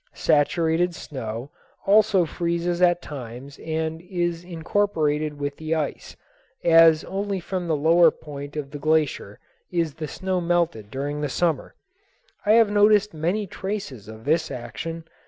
Saturated snow also freezes at times and is incorporated with the ice, as only from the lower part of the glacier is the snow melted during the summer. I have noticed many traces of this action.